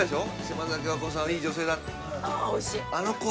あおいしい。